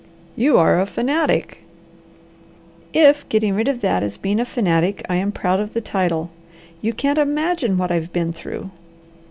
"You are a fanatic!" "If getting rid of that is being a fanatic, I am proud of the title. You can't imagine what I've been through!"